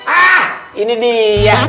ah ini dia